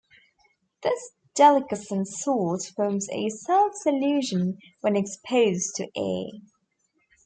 This deliquescent salt forms a self solution when exposed to air.